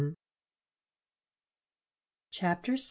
CHAPTER VI.